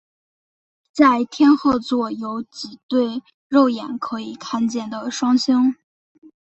在天鹤座有几对肉眼可以看见的双星。